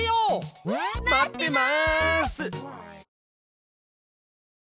待ってます！